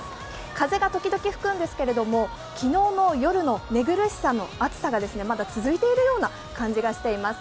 風が時々吹くんですけども、昨日の夜の寝苦しさの暑さがまだ続いているような感じがしています。